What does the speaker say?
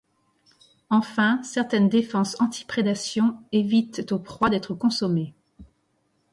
Enfin, certaines défenses anti-prédation évitent aux proies d’être consommées.